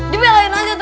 dibelain aja terus